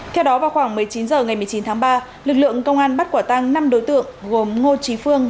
theo đó vào khoảng một mươi chín h ngày một mươi chín tháng ba lực lượng công an bắt quả tăng năm đối tượng gồm ngô trí phương